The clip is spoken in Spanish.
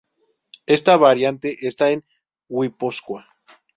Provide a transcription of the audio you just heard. Esta variante está en Guipúzcoa.